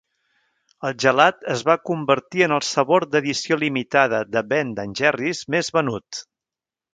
El gelat es va convertir en el sabor d'edició limitada de Ben and Jerry's més venut.